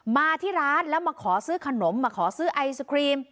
มาที่ร้านแล้วมาขอซื้อขนมมาขอซื้อไอศครีม